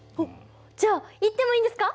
じゃあ行ってもいいんですか！？